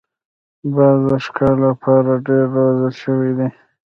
باز د ښکار لپاره ډېر روزل شوی دی